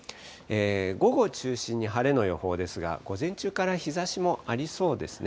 午後中心に晴れの予報ですが、午前中から日ざしもありそうですね。